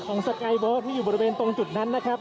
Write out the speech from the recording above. คุณภูริพัฒน์ครับ